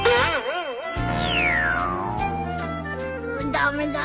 駄目だ。